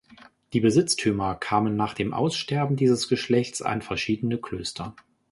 Die Besitztümer kamen nach dem Aussterben dieses Geschlechts an verschiedene Klöster.